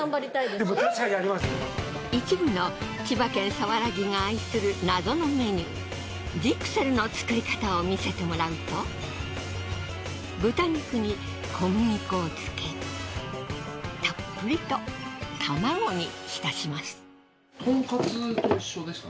一部の千葉県佐原人が愛する謎のメニュージクセルの作り方を見せてもらうと豚肉に小麦粉をつけたっぷりと卵に浸します。